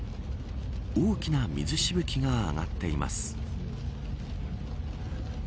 大きな水しぶきが上がっています。